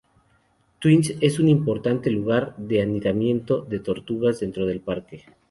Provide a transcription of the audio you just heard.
Twins es un importante lugar de anidamiento de tortugas dentro del parque.